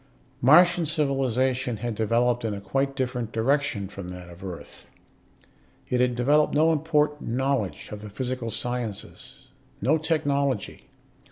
Martian civilization had developed in a quite different direction from that of Earth. It had developed no important knowledge of the physical sciences, no technology.